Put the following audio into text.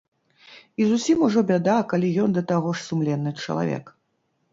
І зусім ужо бяда, калі ён да таго ж сумленны чалавек.